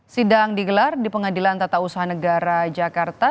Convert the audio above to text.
sidang digelar di pengadilan tata usaha negara jakarta